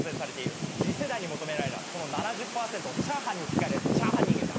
次世代に求められるのはその７０％をチャーハンに置き換えられるチャーハン人間だ。